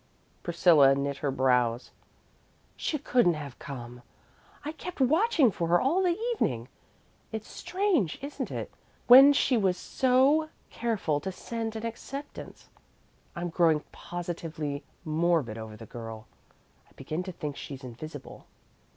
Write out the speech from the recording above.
Priscilla knit her brows. "She couldn't have come. I kept watching for her all the evening. It's strange, isn't it? when she was so careful to send an acceptance. I'm growing positively morbid over the girl; I begin to think she's invisible."